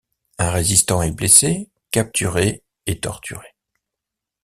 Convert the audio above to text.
Un résistant est blessé, capturé et torturé.